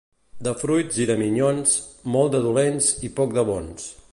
De fruits i de minyons, molts de dolents i pocs de bons.